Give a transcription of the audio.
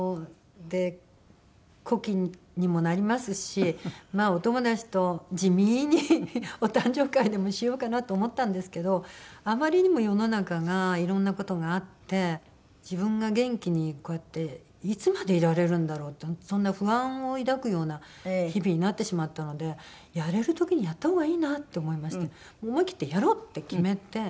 で古希にもなりますしまあお友達と地味にお誕生会でもしようかなと思ったんですけどあまりにも世の中がいろんな事があって自分が元気にこうやっていつまでいられるんだろうってそんな不安を抱くような日々になってしまったのでやれる時にやった方がいいなって思いまして思い切ってやろう！って決めて。